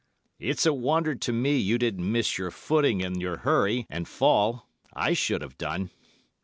'It's a wonder to me you didn't miss your footing in your hurry, and fall. I should have done.